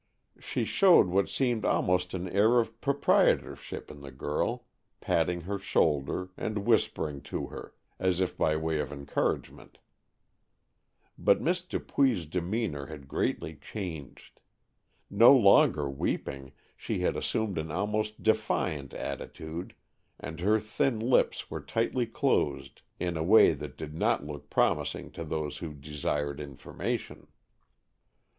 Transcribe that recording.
She showed what seemed almost an air of proprietorship in the girl, patting her shoulder, and whispering to her, as if by way of encouragement. But Miss Dupuy's demeanor had greatly changed. No longer weeping, she had assumed an almost defiant attitude, and her thin lips were tightly closed in a way that did not look promising to those who desired information.